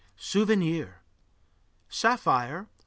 SOUVENIR Sapphire.